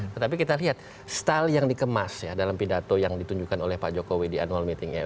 tetapi kita lihat style yang dikemas ya dalam pidato yang ditunjukkan oleh pak jokowi di annual meeting